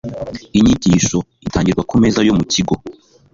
Inyigisho Itangirwa ku Meza yo mu Kigo